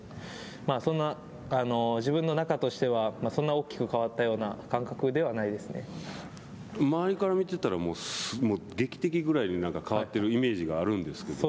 そんな自分の中としてはそんな大きく変わったような感覚周りから見てたらもう劇的ぐらいに変わってるようなイメージがあるんですけど。